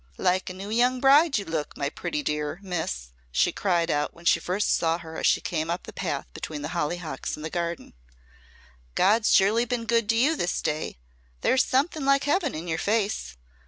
"Like a new young bride you look, my pretty dear Miss," she cried out when she first saw her as she came up the path between the hollyhocks in the garden. "God's surely been good to you this day. There's something like heaven in your face."